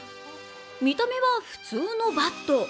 見た目は普通のバット。